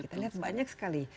kita lihat banyak sekali